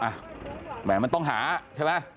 แหมมันต้องหาใช่ไหม